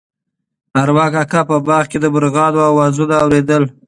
ارمان کاکا په باغ کې د مرغانو اوازونه اورېدل.